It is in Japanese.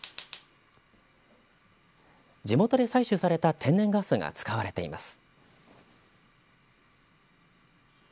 地元で採取された天然ガスが使われています。